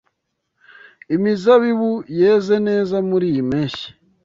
Imizabibu yeze neza muriyi mpeshyi.